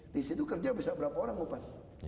di situ kerja bisa berapa orang ngupas